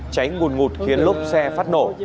cháy nguồn ngụt khiến lúc xe phát nổ